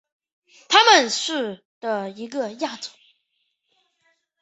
它们是的一个亚种。